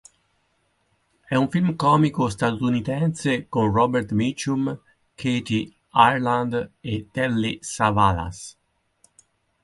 È un film comico statunitense con Robert Mitchum, Kathy Ireland e Telly Savalas.